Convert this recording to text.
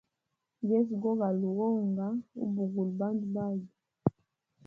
Yesu gogaluwa onga ubugula bandu bage.